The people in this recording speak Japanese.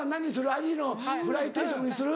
アジのフライ定食にする？